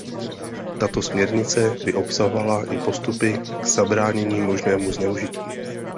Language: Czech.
Tato směrnice by obsahovala i postupy k zabránění možnému zneužití.